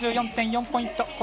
９３４．４ポイント。